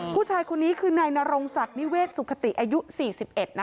ผู้ชายคนนี้คือนายนรงสัคนิเวกสุขติอายุ๔๑นะคะ